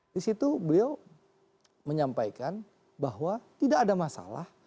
di situ beliau menyampaikan bahwa tidak ada masalah